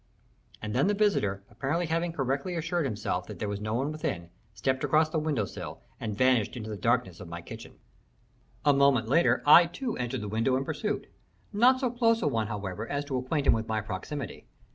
And then the visitor, apparently having correctly assured himself that there was no one within, stepped across the window sill and vanished into the darkness of my kitchen. A moment later I too entered the window in pursuit, not so close a one, however, as to acquaint him with my proximity.